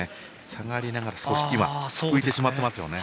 下がりながら浮いてしまっていますね。